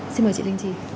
xin mời chị linh chi